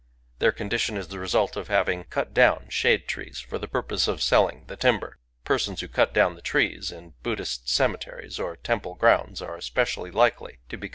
.•• Their condition is the result of having cut down shade trees for the purpose of selling the timber. Persons who cut down the trees in Buddhist cemeteries or temple grounds are especially likely to become /ir fAs ^tfi